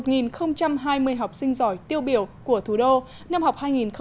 một hai mươi học sinh giỏi tiêu biểu của thủ đô năm học hai nghìn một mươi sáu hai nghìn một mươi bảy